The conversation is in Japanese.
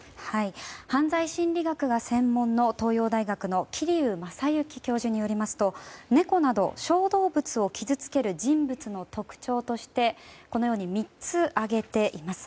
犯罪心理学がご専門の東洋大学の桐生正幸教授によりますと猫など小動物を傷つける人物の特徴として３つ、挙げています。